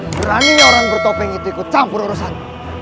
beraninya orang bertopeng itu ikut campur urusan